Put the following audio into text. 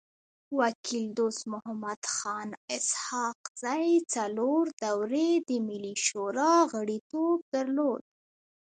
وکيل دوست محمد خان اسحق زی څلور دوري د ملي شورا غړیتوب درلود.